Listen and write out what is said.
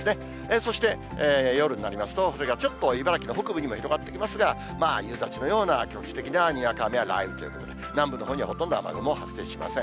そして夜になりますと、これがちょっと茨城の北部にも広がってきますが、まあ夕立のような、局地的なにわか雨や雷雨ということで、南部のほうにほとんど雨雲は発生しません。